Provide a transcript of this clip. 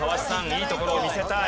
いいところを見せたい。